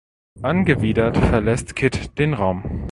Angewidert verlässt Kit den Raum.